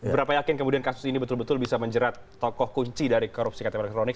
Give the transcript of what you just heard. berapa yakin kemudian kasus ini betul betul bisa menjerat tokoh kunci dari korupsi ktp elektronik